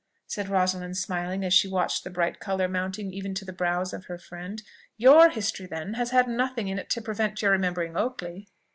said Rosalind smiling, as she watched the bright colour mounting even to the brows of her friend; "your history, then, has had nothing in it to prevent your remembering Oakley?"